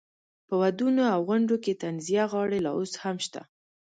په ودونو او غونډو کې طنزیه غاړې لا اوس هم شته.